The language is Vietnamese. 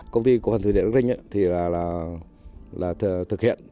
công ty của hồ chứa đắc rinh thực hiện